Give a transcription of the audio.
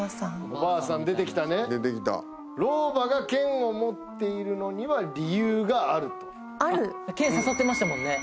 おばあさん出てきたね出てきた老婆が剣を持っているのには理由があると剣刺さってましたもんね